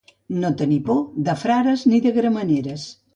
No tenir por de frares ni de grameneres.